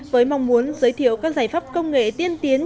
với mong muốn giới thiệu các giải pháp công nghệ tiên tiến